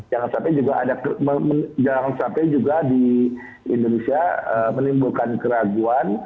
jangan sampai juga ada jangan sampai juga di indonesia menimbulkan keraguan